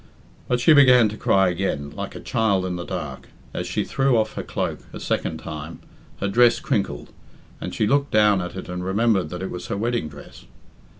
But she began to cry again, like a child in the dark. As she threw off her cloak a second time, her dress crinkled, and she looked down at it and remembered that it was her wedding dress.